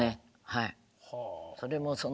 はい。